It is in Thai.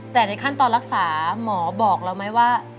แต่ในขั้นตอนรักษาหมอบอกเราไหมว่า